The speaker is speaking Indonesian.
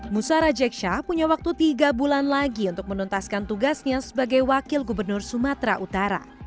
musara jeksha punya waktu tiga bulan lagi untuk menuntaskan tugasnya sebagai wakil gubernur sumatera utara